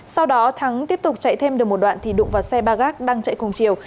sau đó thắng tiếp tục chạy thêm được một đoạn thì đụng vào xe ba gác đang chạy cùng chiều